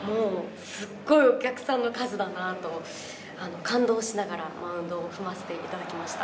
すっごいお客さんの数だなと感動しながら、マウンドを踏ませていただきました。